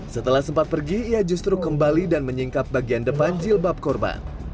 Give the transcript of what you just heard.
setelah sempat pergi ia justru kembali dan menyingkap bagian depan jilbab korban